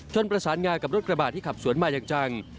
ประสานงากับรถกระบาดที่ขับสวนมาอย่างจัง